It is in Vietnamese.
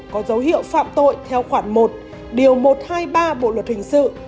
có dấu hiệu phạm tội theo khoản một điều một trăm hai mươi ba bộ luật hình sự